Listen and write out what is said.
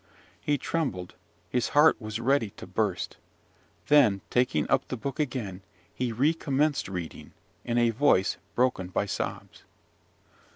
He trembled; his heart was ready to burst: then, taking up the book again, he recommenced reading, in a voice broken by sobs.